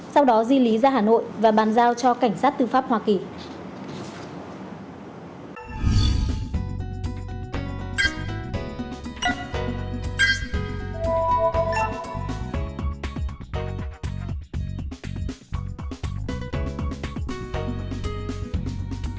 sau đó di lý ra hà nội và bàn giao cho cảnh sát tư pháp hoa kỳ